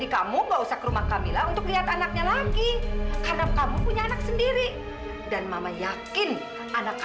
sampai jumpa di video selanjutnya